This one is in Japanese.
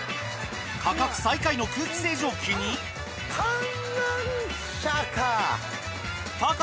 価格最下位の空気清浄機になかなか。